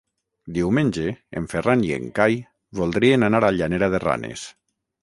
Diumenge en Ferran i en Cai voldrien anar a Llanera de Ranes.